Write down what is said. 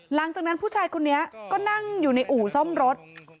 หลังจากนั้นผู้ชายคนนี้ก็นั่งอยู่ในอู่ซ่อมรถ